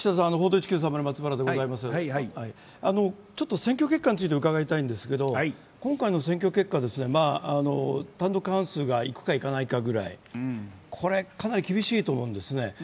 選挙結果について伺いたいんですけど今回の選挙結果、単独過半数が行くか行かないかぐらい、かなり厳しいと思うんですね。